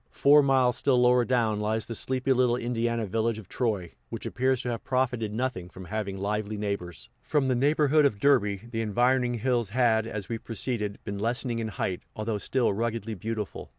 Four miles still lower down lies the sleepy little Indiana village of Troy, which appears to have profited nothing from having lively neighbors. From the neighborhood of Derby, the environing hills had, as we proceeded, been lessening in height, although still ruggedly beautiful.